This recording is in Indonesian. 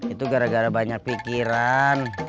itu gara gara banyak pikiran